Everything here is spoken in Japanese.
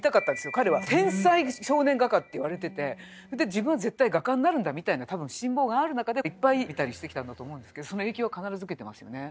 彼は天才少年画家って言われてて「自分は絶対画家になるんだ」みたいな多分心棒がある中でいっぱい見たりしてきたんだと思うんですけどその影響は必ず受けてますよね。